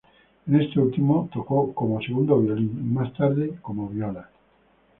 En este último tocó como segundo violín y, más adelante, como viola.